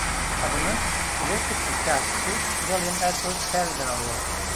Adını Kuzey Kutbu kaşifi William Edward Parry’den alıyor.